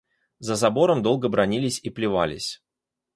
За забором долго бранились и плевались.